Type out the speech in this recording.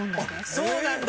そうなんだ。